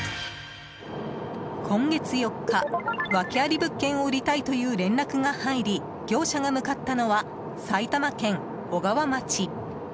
今月４日、ワケあり物件を売りたいという連絡が入り業者が向かったのは埼玉県小川町。